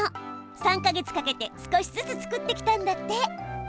３か月かけて少しずつ作ってきたんだって。